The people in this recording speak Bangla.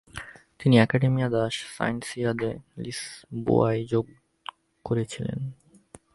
তিনি একাডিমিয়া দাস সাইন্সিয়া দে লিসবোয়ায় যোগদান করেছিলেন।